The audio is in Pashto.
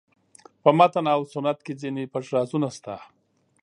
په متن او سنت کې ځینې پټ رازونه شته.